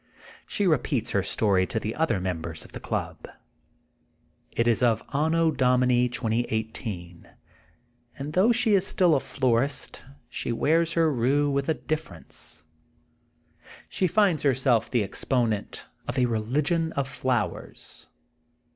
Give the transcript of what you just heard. She repeats her story to the other members of the club. It is of Anno Domini 2018, and though she is still a florist she wears her rue with a dif ference. She finds herself the exponent of a religion of flowers.